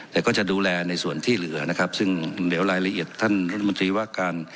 แต่ก็จะดูแลในส่วนที่เหลือนะครับซึ่งเดี๋ยวรายละเอียดท่านรัฐมนตรีว่าการ